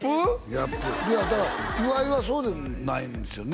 ギャップいやだから岩井はそうでもないんですよね